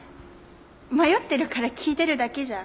迷ってるから聞いてるだけじゃん。